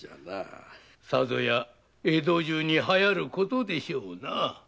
さぞや江戸中に流行ることでしょうな。